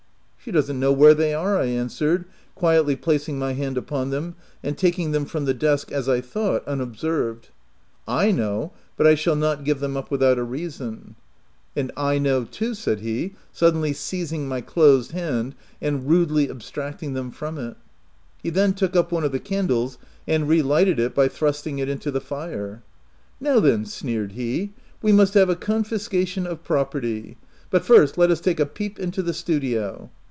" She doesn't know where they are," I an swered, quietly placing my hand upon them, and taking them from the desk, as I thought, unobserved. " I know, but I shall not give them up without a reason." OF WILDFELL HALL. 61 " And / know, too," said he, suddenly seiz ing my closed hand and rudely abstracting them from it. He then took up one of the candles and relighted it by thrusting it into the fire. "Now then/' sneered he, " we must have a confiscation of property. But first, let us take a peep into the studio."